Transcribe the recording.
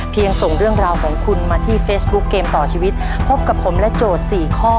ส่งเรื่องราวของคุณมาที่เฟซบุ๊คเกมต่อชีวิตพบกับผมและโจทย์สี่ข้อ